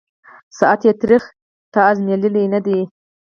ساعت یې تریخ » تا آزمېیلی نه دی